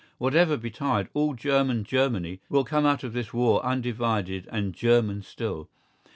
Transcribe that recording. Whatever betide, all German Germany will come out of this war undivided and German still.